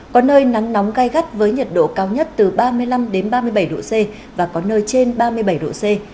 có nơi nắng nóng gai gắt với nhiệt độ cao nhất từ ba mươi năm ba mươi bảy độ c và có nơi trên ba mươi bảy độ c